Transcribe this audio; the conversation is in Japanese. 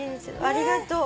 ありがとう。